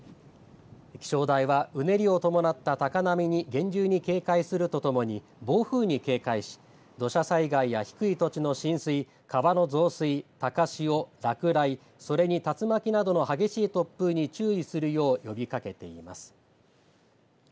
気象台はうねりを伴った高波に厳重に警戒するとともに暴風に警戒し土砂災害や低い土地の浸水川の増水、高潮、落雷それに竜巻などの激しい突風に注意するよう呼びかけています。